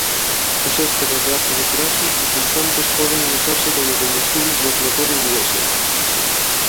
Os ésteres de ácidos graxos resultantes poden usarse como combustible dos motores diésel.